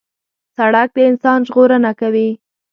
سړک د انسان ژغورنه کوي.